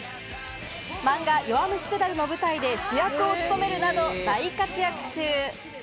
漫画『弱虫ペダル』の舞台で主役を務めるなど大活躍中。